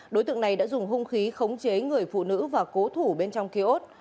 đối tượng này đã dùng hung khí khống chế người phụ nữ và cố thủ bên trong kia ốt